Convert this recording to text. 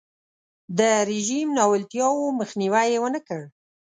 د رژیم ناولتیاوو مخنیوی یې ونکړ.